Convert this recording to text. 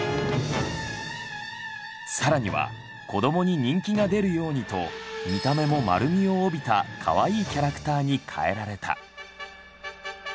更には子供に人気が出るようにと見た目も丸みを帯びたかわいいキャラクターに変えられた。